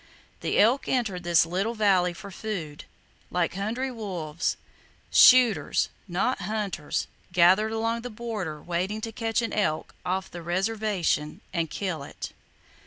The elk entered this little valley for food. Like hungry wolves, shooters, not hunters, gathered along the border waiting to catch an elk off the "reservation" and kill it.